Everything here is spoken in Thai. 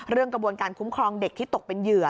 กระบวนการคุ้มครองเด็กที่ตกเป็นเหยื่อ